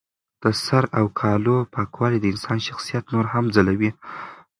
د سر او کالو پاکوالی د انسان شخصیت نور هم ځلوي.